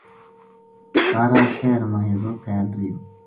سارا شہر ما ہیضو پھیل رہیو